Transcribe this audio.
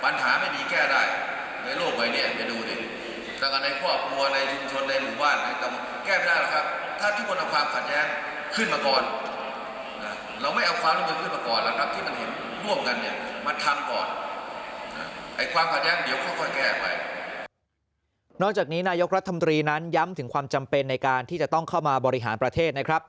นอกจากนี้นายกรัฐมนตรีนั้นย้ำถึงความจำเป็นในการที่จะต้องเข้ามาบริหารประเทศนะครับ